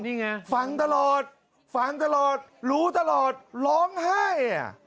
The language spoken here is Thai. นี่ไงฟังตลอดฟังตลอดรู้ตลอดร้องไห้อ่ะ